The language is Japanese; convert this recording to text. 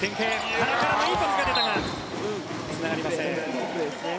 原からいいパスが出たがつながりません。